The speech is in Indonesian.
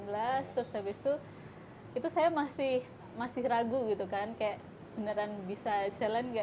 iya dua ribu delapan belas terus habis itu itu saya masih ragu gitu kan kayak beneran bisa jualan nggak